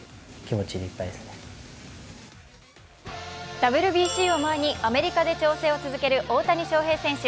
ＷＢＣを前にアメリカで調整を続ける大谷翔平選手。